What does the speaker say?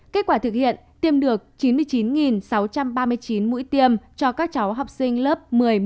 kết quả thực hiện tiêm được chín mươi chín sáu trăm ba mươi chín mũi tiêm cho các cháu học sinh lớp một mươi một mươi một một mươi hai